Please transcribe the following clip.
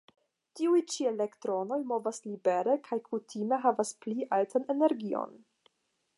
Tiuj ĉi elektronoj movas libere kaj kutime havas pli altan energion.